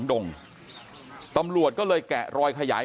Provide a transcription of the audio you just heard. กลุ่มตัวเชียงใหม่